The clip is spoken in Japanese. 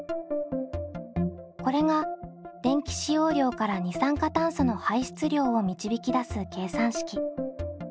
これが電気使用量から二酸化炭素の排出量を導き出す計算式。